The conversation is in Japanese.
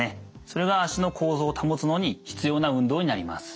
それが足の構造を保つのに必要な運動になります。